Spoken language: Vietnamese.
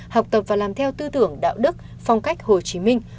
học tập và làm theo tư tưởng đạo đức phong cách hồ chí minh